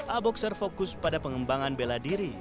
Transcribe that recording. a boxer fokus pada pengembangan bela diri